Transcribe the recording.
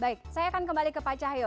baik saya akan kembali ke pak cahyo